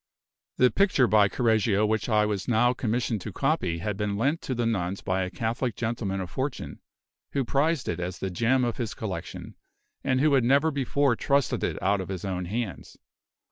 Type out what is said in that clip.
The picture by Correggio which I was now commissioned to copy had been lent to the nuns by a Catholic gentleman of fortune, who prized it as the gem of his collection, and who had never before trusted it out of his own hands.